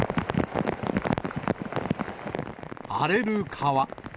荒れる川。